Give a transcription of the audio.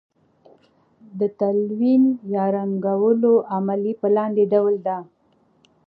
د تلوین یا رنګولو عملیه په لاندې ډول ده.